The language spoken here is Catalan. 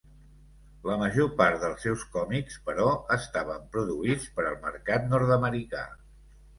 La major part dels seus còmics, però, estaven produïts per al mercat nord-americà.